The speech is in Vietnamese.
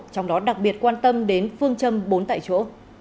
trong đó đặc biệt quan tâm đến phương châm bốn tại chỗ